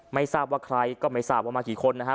ไม่ทราบว่าใครก็ไม่ทราบว่ามากี่คนนะฮะ